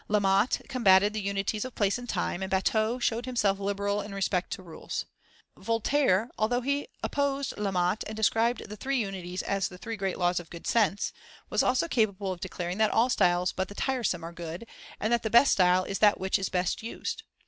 La Motte combated the unities of place and time, and Batteux showed himself liberal in respect to rules. Voltaire, although he opposed La Motte and described the three unities as the three great laws of good sense, was also capable of declaring that all styles but the tiresome are good, and that the best style is that which is best used.